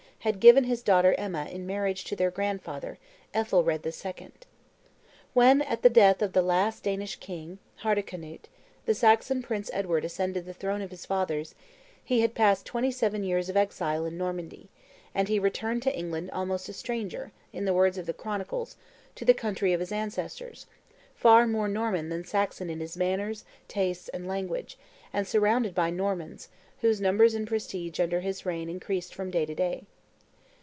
had given his daughter Emma in marriage to their grandfather, Ethelred II. When, at the death of the last Danish king, Hardicanute, the Saxon prince Edward ascended the throne of his fathers, he had passed twenty seven years of exile in Normandy, and he returned to England "almost a stranger," in the words of the chronicles, to the country of his ancestors; far more Norman than Saxon in his manners, tastes, and language, and surrounded by Normans, whose numbers and prestige under his reign increased from day to day.